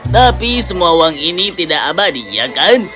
tapi semua uang ini tidak abadi ya kan